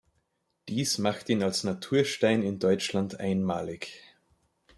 Dies macht ihn als Naturstein in Deutschland einmalig.